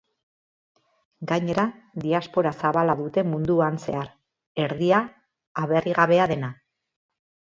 Gainera, diaspora zabala dute munduan zehar, erdia aberrigabea dena.